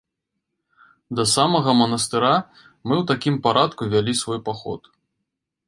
Да самага манастыра мы ў такім парадку вялі свой паход.